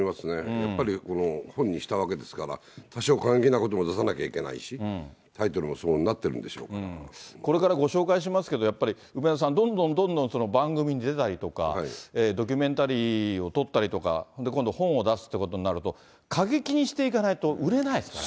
やっぱりこの本にしたわけですから、多少過激なことも出さなきゃいけないし、タイトルもそうなってるこれからご紹介しますけど、やっぱり梅沢さん、どんどんどんどん番組出たりとか、ドキュメンタリーを撮ったりとか、今度、本を出すっていうことになると、過激にしていかないと売れないですから。